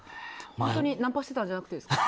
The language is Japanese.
本当にナンパしてたんじゃなくてですか？